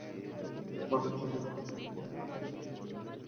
মাধুরী হতে পারি নি তো কী হয়েছে?